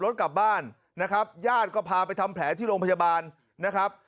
กลับบ้านนะครับญาติก็พาไปทำแผลที่โรงพยาบาลนะครับ